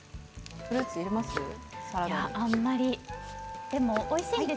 フルーツ入れます？